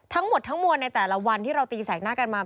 ทั้งหมดทั้งมวลในแต่ละวันที่เราตีแสกหน้ากันมา